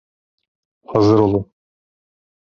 Hazır olun.